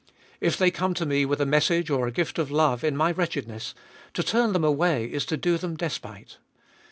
If they come to me with a message or a gift of love in my wretchedness, to turn them away is to do them despite.